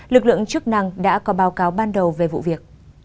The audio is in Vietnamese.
lực lượng chức năng đã có báo cáo ban đầu về vụ việc